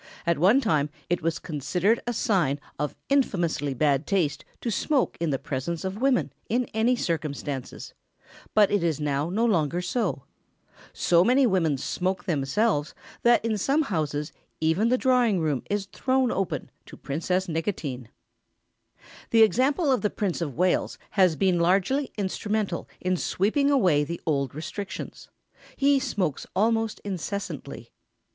At one time it was considered a sign of infamously bad taste to smoke in the presence of women in any circumstances. But it is now no longer so. [Sidenote: The domain of Princess Nicotine.] So many women smoke themselves, that in some houses even the drawing room is thrown open to Princess Nicotine. [Sidenote: The leader of the fashion.] The example of the Prince of Wales has been largely instrumental in sweeping away the old restrictions. He smokes almost incessantly.